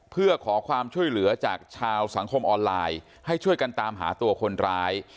เพื่อขอความช่วยเหลือจากชาวสังคมออนไลน์ให้ช่วยกันตามหาตัวคนร้าย